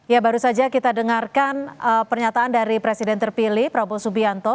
ya baru saja kita dengarkan pernyataan dari presiden terpilih prabowo subianto